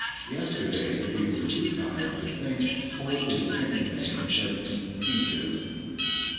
Yesterday we were too tired to think, or to do anything but eat peaches.